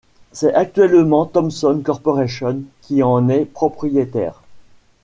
C’est actuellement Thomson Corporation qui en est propriétaire.